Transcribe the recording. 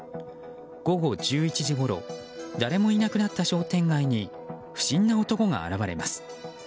午後１１時ごろ誰もいなくなった商店街に不審な男が現れます。